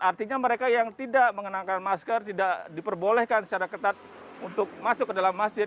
artinya mereka yang tidak mengenakan masker tidak diperbolehkan secara ketat untuk masuk ke dalam masjid